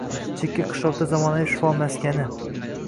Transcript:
Chekka qishloqda zamonaviy shifo maskaning